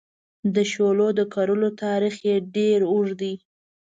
د شولو د کرلو تاریخ یې ډېر اوږد دی.